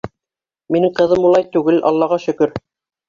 Минең ҡыҙым улай түгел, Аллаға шөкөр.